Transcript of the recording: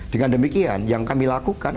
dengan demikian yang kami lakukan